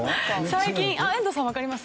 最近あっ遠藤さんわかります？